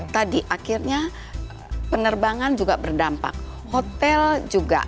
tadi akhirnya penerbangan juga berdampak hotel juga